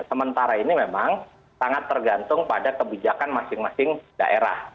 sementara ini memang sangat tergantung pada kebijakan masing masing daerah